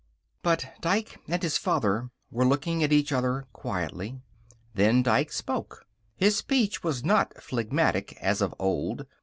But Dike and his father were looking at each other quietly. Then Dike spoke. His speech was not phlegmatic, as of old.